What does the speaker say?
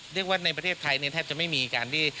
ในประเทศไทยเนี่ยแทบจะไม่มีการที่